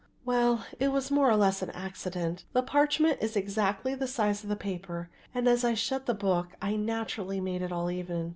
"Well, it was more or less accident; the parchment is exactly the size of the paper and as I shut the book I naturally made it all even.